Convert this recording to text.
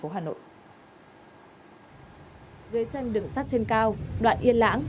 dưới chân đường sắt trên cao đoạn yên lãng